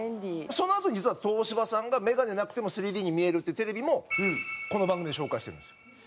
そのあと実はＴＯＳＨＩＢＡさんがメガネなくても３Ｄに見えるっていうテレビもこの番組で紹介してるんですよ。